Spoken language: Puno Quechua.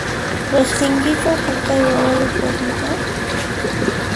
Riqsinkichu haqay wawayuq warmita?